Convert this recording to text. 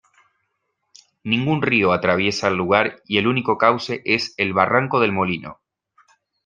Ningún río atraviesa el lugar y el único cauce es el Barranco del Molino.